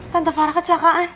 tante farah kecelakaan